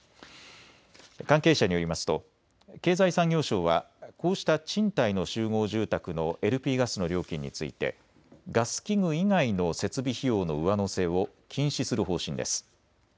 関係者によりますと経済産業省はこうした賃貸の集合住宅のＬＰガスの料金についてガス器具以外の設備費用の上乗せを禁止する方針です。